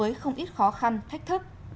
đối mặt với không ít khó khăn thách thức